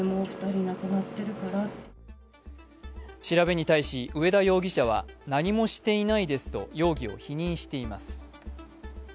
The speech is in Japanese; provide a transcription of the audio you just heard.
調べに対し上田容疑者は、何もしていないですと容疑を否認しています。